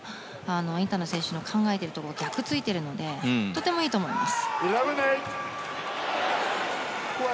インタノン選手の考えている逆を突いているのでとてもいいと思います。